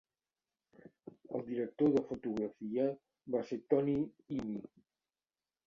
El director de fotografia va ser Tony Imi.